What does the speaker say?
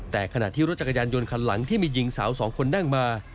แต่ขณะที่รถจักรยานยนต์คันหลังที่มีหญิงสาวสองคนนั่งมา